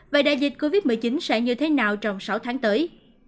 vậy đại dịch covid một mươi chín sẽ như thế nào trong sáu tháng tới